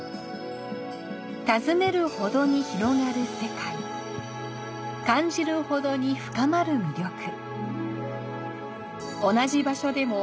訪ねるほどに広がる世界、感じるほどに深まる魅力。